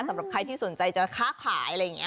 สำหรับใครที่สนใจจะค้าขายอะไรอย่างนี้